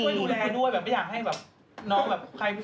แต่ไม่อยากให้แบบน้องแบบ